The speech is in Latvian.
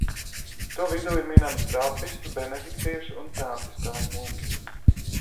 To vidū ir minami trapistu, benediktiešu un franciskāņu mūki.